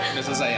udah selesai ya